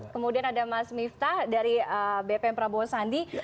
kemudian ada mas miftah dari bpm prabowo sandi